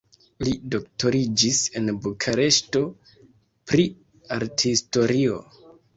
Li doktoriĝis en Bukareŝto pri arthistorio.